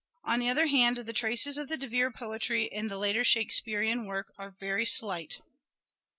On the other hand the traces of the De Vere poetry in the later Shakespearean work are very slight.